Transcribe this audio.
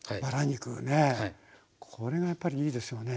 これがやっぱりいいですよね。